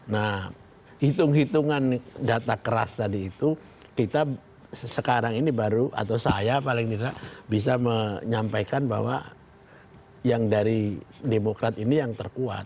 nah hitung hitungan data keras tadi itu kita sekarang ini baru atau saya paling tidak bisa menyampaikan bahwa yang dari demokrat ini yang terkuat